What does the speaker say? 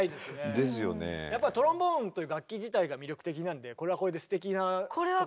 トロンボーンという楽器自体が魅力的なんでこれはこれですてきなところも。